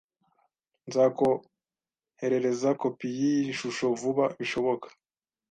Nzakoherereza kopi yiyi shusho vuba bishoboka